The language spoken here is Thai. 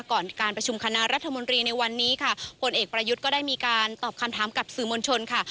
ก่อนการประชุมคณะรัฐมนตรีในวันนี้ค่ะผลเอกประยุทธ์ก็ได้มีการตอบคำถามกับสื่อมวลชนค่ะ